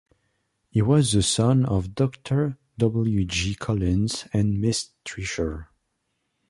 He was the son of Doctor W. J. Collins and Miss Treacher.